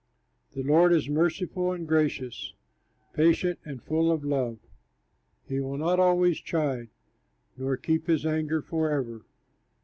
The Lord is merciful and gracious, Patient and full of love. He will not always chide, Nor keep his anger forever.